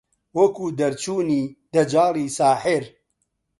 وەکوو دەرچوونی دەجاڵی ساحیر